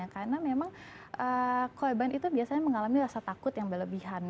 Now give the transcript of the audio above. karena memang korban itu biasanya mengalami rasa takut yang berlebihan